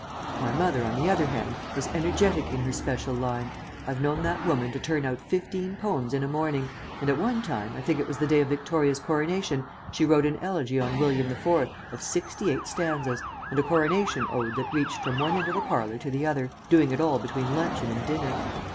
My mother, on the other hand, was energetic in her special line. I've known that woman to turn out fifteen poems in a morning, and, at one time, I think it was the day of Victoria's coronation, she wrote an elegy on William the Fourth of sixty eight stanzas, and a coronation ode that reached from one end of the parlour to the other, doing it all between luncheon and dinner.